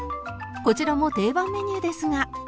こちらも定番メニューですが